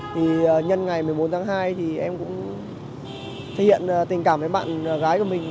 thì nhân ngày một mươi bốn tháng hai thì em cũng thể hiện tình cảm với bạn gái của mình